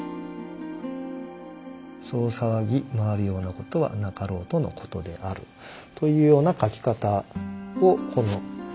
「そう騒ぎ回るようなことはなかろうとの事である」というような書き方をこの新聞はしていますね。